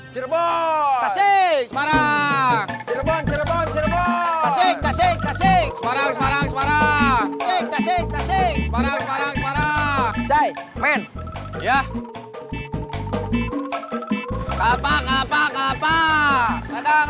jangan lupa dukungan kami di instagram dan facebook